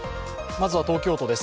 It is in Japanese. まずは東京都です。